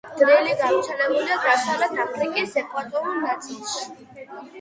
დრილი გავრცელებულია დასავლეთ აფრიკის ეკვატორულ ნაწილში.